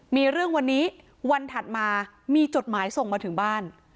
มีเรื่องวันนี้วันถัดมามีจดหมายส่งมาถึงบ้าน